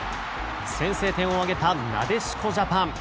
先制点を挙げたなでしこジャパン。